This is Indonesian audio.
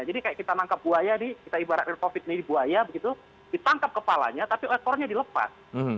jadi kayak kita nangkap buaya nih kita ibarat covid sembilan belas di buaya begitu ditangkap kepalanya tapi ekornya dilepas